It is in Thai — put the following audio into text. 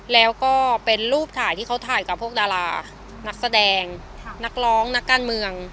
แล้วก็เป็นรูปถ่ายที่เขาถ่ายกับพวกดารานักแสดงนักร้องนักการเมือง